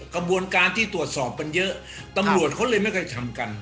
กระบวนการที่ตรวจสอบมันเยอะตำรวจเขาเลยไม่กระทำกัน